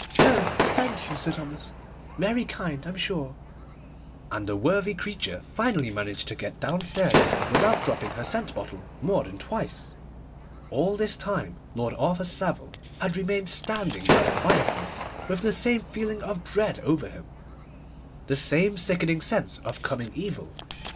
Oh, thank you, Sir Thomas, very kind, I'm sure'; and the worthy creature finally managed to get downstairs without dropping her scent bottle more than twice. All this time Lord Arthur Savile had remained standing by the fireplace, with the same feeling of dread over him, the same sickening sense of coming evil.